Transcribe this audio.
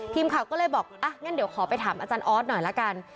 ทีมข่าวก็เลยบอกอ่ะงั้นเดี๋ยวขอไปถามอาจารย์ออสหน่อยละกัน